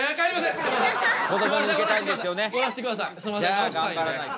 じゃあ頑張らないと。